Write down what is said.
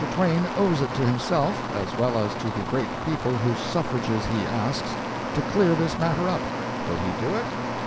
Twain owes it to himself, as well as to the great people whose suffrages he asks, to clear this matter up. Will he do it?